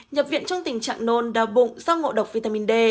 nhập viện trong tình trạng nôn đau bụng do ngộ độc vitamin d